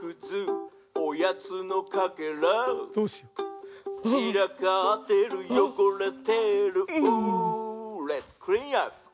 おやつのカケラ」「ちらかってるよごれてる」「ウーーーレッツクリーンアップ」